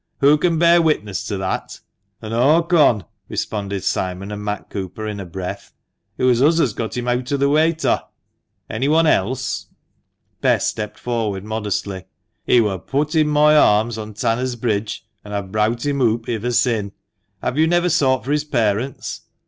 " Who can bear witness to that ?" "Aw con" — "An" aw con," responded Simon and Matt Cooper in a breath. "It wur uz as got him eawt o' th' wayter." "Anyone else?" Bess stepped forward modestly. " He wur put i' moi arms on Tanners' Bridge, an' aw've browt him oop ivver sin'." " Have you never sought for his parents